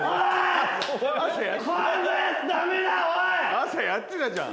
朝やってたじゃん。